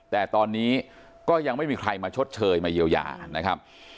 แต่ตอนนี้ก็ยังไม่มีใครมาชดเชยมาเยียวยานะครับ